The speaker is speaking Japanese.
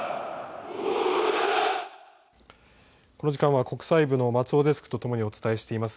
この時間は国際部の松尾デスクとともにお伝えしています。